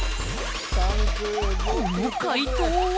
この快答は？